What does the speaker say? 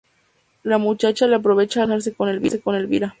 La muchacha le reprocha el querer casarse con Elvira.